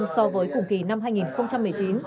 so với cùng kỳ năm hai nghìn một mươi chín